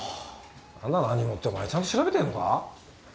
何だ何にもってお前ちゃんと調べてんのか？